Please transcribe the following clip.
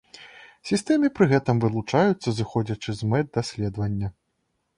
Сістэмы пры гэтым вылучаюцца зыходзячы з мэт даследавання.